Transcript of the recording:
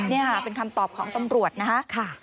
นี่ค่ะเป็นคำตอบของตำรวจนะคะ